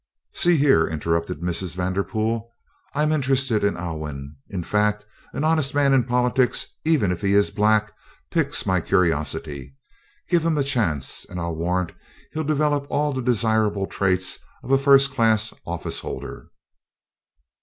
"See here," interrupted Mrs. Vanderpool. "I'm interested in Alwyn; in fact, an honest man in politics, even if he is black, piques my curiosity. Give him a chance and I'll warrant he'll develop all the desirable traits of a first class office holder."